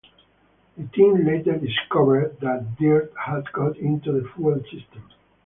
The team later discovered that dirt had got into the fuel system.